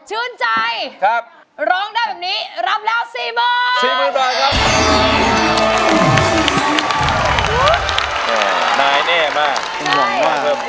เต้นจนหัวหลุด